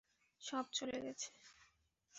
সব চলে গেছে।